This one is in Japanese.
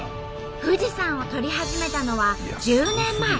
富士山を撮り始めたのは１０年前。